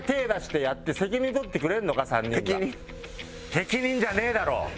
適任じゃねえだろ。